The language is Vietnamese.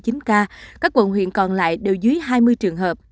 trong đó các quận huyện còn lại đều dưới hai mươi ca